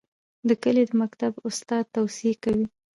د کلي د مکتب استاد توصیې کوي.